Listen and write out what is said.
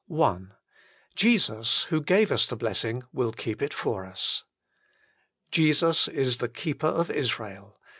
I Jesus, wlio gave us the blessing, will keep it for us. Jesus is the Keeper of Israel.